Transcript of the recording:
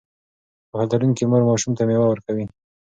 پوهه لرونکې مور ماشوم ته مېوه ورکوي.